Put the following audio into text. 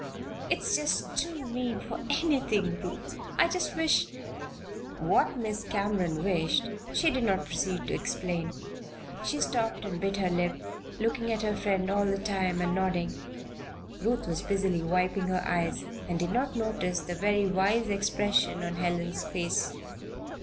"It's just too mean for anything, Ruth! I just wish " What Miss Cameron wished she did not proceed to explain. She stopped and bit her lip, looking at her friend all the time and nodding. Ruth was busily wiping her eyes and did not notice the very wise expression on Helen's face.